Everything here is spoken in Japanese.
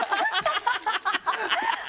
ハハハハ！